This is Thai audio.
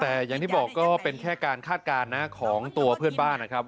แต่อย่างที่บอกก็เป็นแค่การคาดการณ์นะของตัวเพื่อนบ้านนะครับ